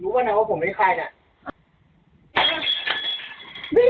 รู้ป่ะนะว่าผมไม่มีใครเนี่ย